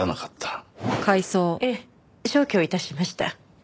ええ消去致しました。